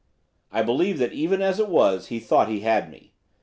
I believe that even as it was he thought he had me.